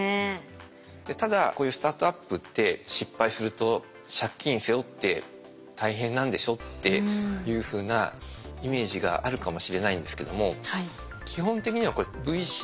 ただこういうスタートアップって失敗すると借金背負って大変なんでしょっていうふうなイメージがあるかもしれないんですけども。